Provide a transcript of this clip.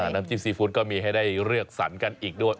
น้ำจิ้มซีฟู้ดก็มีให้ได้เลือกสรรกันอีกด้วย